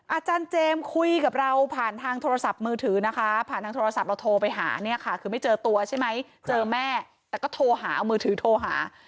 อาจารย์เจมส์คุยกับเราผ่านทางโทรศัพท์มือถือนะคะผ่านทางโทรศัพท์เราโทรไปหาเนี่ยค่ะคือไม่เจอตัวใช่ไหมเจอแม่แต่ก็โทรหาเอามือถือโทรหา